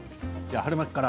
春巻きから。